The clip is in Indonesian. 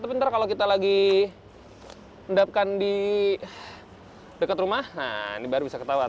tapi ntar kalau kita lagi endapkan di dekat rumah nah ini baru bisa ketahuan